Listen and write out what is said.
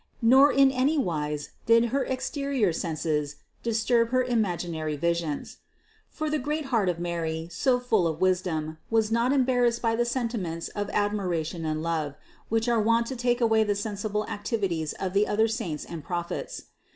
Nor in any wise did her exterior senses disturb her imaginary visions. For the great heart of Mary, so full of wisdom, was not embarrassed by the sentiments of admiration and love, which are wont to take away the sensible activities of the other saints and Prophets.